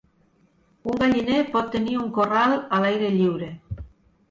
Un galliner pot tenir un corral a l'aire lliure.